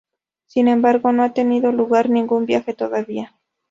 Sin embargo, no ha tenido lugar ningún viaje todavía.